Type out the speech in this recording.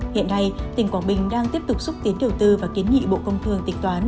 hiện nay tỉnh quảng bình đang tiếp tục xúc tiến đầu tư và kiến nghị bộ công thương tịch toán